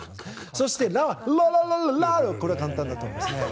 そして「ラ」、ララララこれは簡単だと思います。